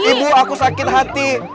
ibu aku sakit hati